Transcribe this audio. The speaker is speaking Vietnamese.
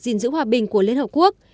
gìn giữ hòa bình của liên hợp quốc